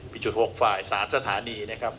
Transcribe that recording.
พิจุด๖ฝ่าย๓สถานี